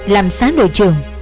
làm sáng đội trưởng